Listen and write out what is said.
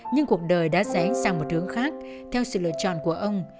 nhưng cuộc đời đã ré sang một hướng khác theo sự lựa chọn của ông